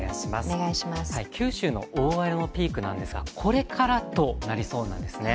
九州の大雨のピークなんですがこれからとなりそうなんです。